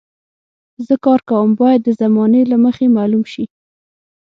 زه کار کوم باید د زمانې له مخې معلوم شي.